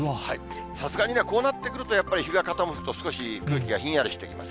さすがにね、こうなってくると、やっぱり日が傾くと少し空気がひんやりしてきます。